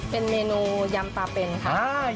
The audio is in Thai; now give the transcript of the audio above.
เป็นเมนูยำปลาเป็นค่ะ